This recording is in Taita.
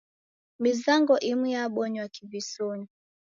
Mizango imu yabonywa kivisonyi.